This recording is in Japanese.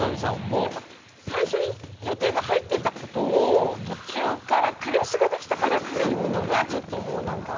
最初に予定が入っていたことを途中から、彼氏ができたからっていうのがちょっともう、何か。